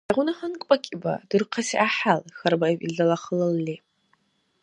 — Сегъуна гьанкӀ бакӀиба, дурхъаси гӀяхӀял? — хьарбаиб илдала халалли.